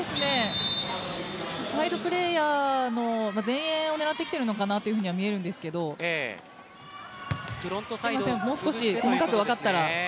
サイドプレーヤーの前衛を狙ってきているのかなとは見えるんですけどもう少し細かく分かったら。